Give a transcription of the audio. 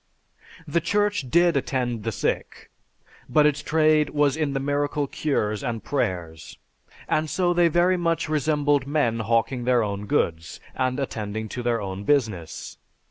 The Church did attend the sick, but its trade was in the miracle cures and prayers, and so they very much resembled men hawking their own goods, and attending to their own business.